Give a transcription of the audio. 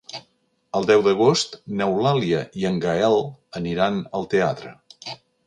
El deu d'agost n'Eulàlia i en Gaël aniran al teatre.